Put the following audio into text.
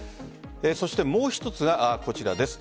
もう一つが、こちらです。